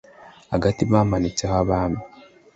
agati bamanitse abami